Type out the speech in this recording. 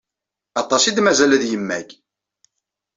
Aṭas i d-mazal ad yemmag!